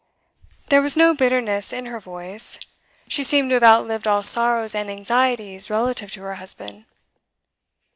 There was no bitterness in her voice. She seemed to have outlived all sorrows and anxieties relative to her husband.